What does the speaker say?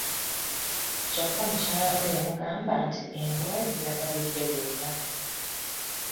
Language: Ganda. Kyokka mukyala we yamugamba nti embwa yagalidde gonna!